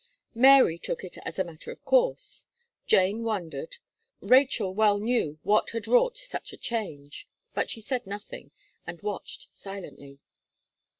Mary took it as a matter of course, Jane wondered, Rachel well knew what had wrought such a change; but she said nothing, and watched silently.